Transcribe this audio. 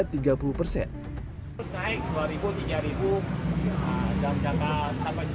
selain terigu ada lagi kok